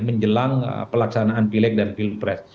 menjelang pelaksanaan pileg dan pilpres